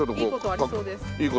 いい事ありそうです。